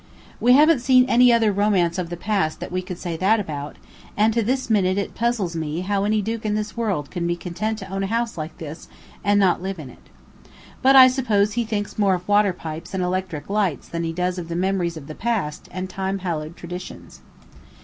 We haven't seen any other romance of the past that we could say that about, and to this minute it puzzles me how any duke in this world could be content to own a house like this and not live in it. But I suppose he thinks more of water pipes and electric lights than he does of the memories of the past and time hallowed traditions.